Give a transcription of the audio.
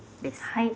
はい。